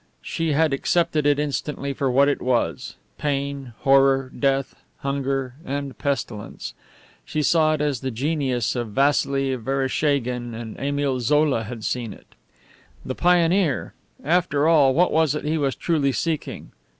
She had accepted it instantly for what it was pain, horror, death, hunger, and pestilence. She saw it as the genius of Vasili Vereshchagin and Émile Zola had seen it. The pioneer after all, what was it he was truly seeking?